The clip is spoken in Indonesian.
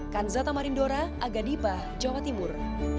kanzata marindora aga dipah jawa timur